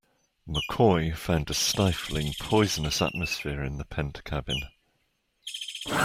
McCoy found a stifling, poisonous atmosphere in the pent cabin.